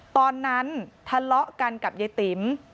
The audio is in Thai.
ตอนนั้นทะเลาะกันกับยายติ๋ม